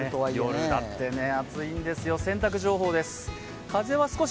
夜だって暑いんですよ、洗濯情報です。